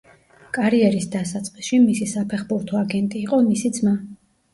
კარიერის დასაწყისში მისი საფეხბურთო აგენტი იყო მისი ძმა.